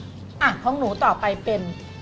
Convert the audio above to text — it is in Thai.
ต่อไปของหนูเป็น